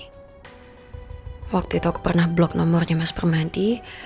waktu itu waktu itu aku pernah blok nomornya mas permadi